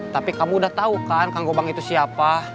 tapi kamu udah tahu kan kang gobang itu siapa